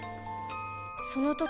その時